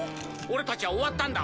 俺たちは終わったんだ！